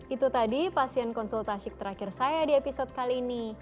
itu tadi pasien konsultasi terakhir saya di episode kali ini